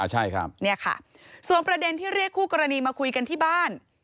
ใช่ครับเนี่ยค่ะส่วนประเด็นที่เรียกคู่กรณีมาคุยกันที่บ้าน